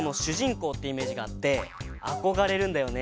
こうってイメージがあってあこがれるんだよね。